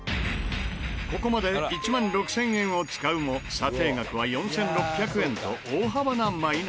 ここまで１万６０００円を使うも査定額は４６００円と大幅なマイナス。